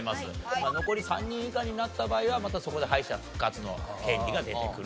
残り３人以下になった場合はまたそこで敗者復活の権利が出てくると。